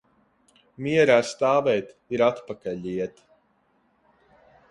Mierā stāvēt ir atpakaļ iet.